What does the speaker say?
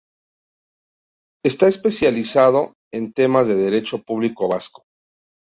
Está especializado en temas de derecho público vasco.